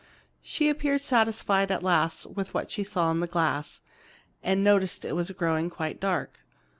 She appeared satisfied at last with what she saw in the glass, and noticed that it was growing quite dark.